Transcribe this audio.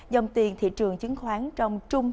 dòng tiền thị trường chứng khoán trong trung